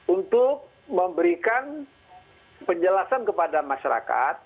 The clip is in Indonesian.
untuk memberikan penjelasan kepada masyarakat